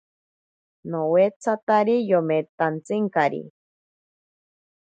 Nowetsatari yometantsikari.